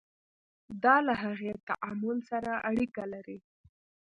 دا له هغې تعامل سره اړیکه لري.